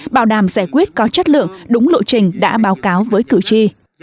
bảo đảm giải quyết có chất lượng đúng lộ trình đã báo cáo với cử tri